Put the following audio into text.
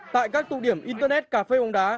tại các tụ điểm internet cà phê bóng đá